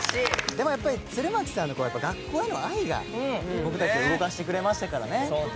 でもやっぱり鶴巻さんの学校への愛が僕たちを動かしてくれましたからね。